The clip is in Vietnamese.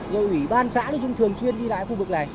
rồi ủy ban xã chúng thường xuyên đi lại khu vực này